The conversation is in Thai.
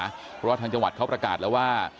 เพราะว่าทางจังหวัดเขาประกาศแล้วว่า